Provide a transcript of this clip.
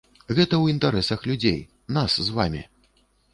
Гэта ў інтарэсах людзей, нас з вамі.